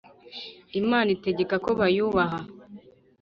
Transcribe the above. imana itegeka ko bayubaha